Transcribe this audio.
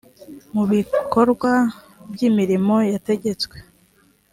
mu bikorwa ry imirimo yategetswe